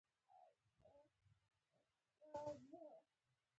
له احمده د کار سوری ورک دی.